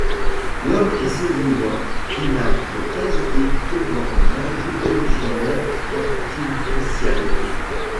L'homme est ce vivant qui n'a de qualités que dans un ajout originaire d'artificialité.